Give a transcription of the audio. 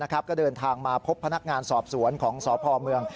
ก็เดินทางมาพบพนักงานสอบสวนของสพเมือง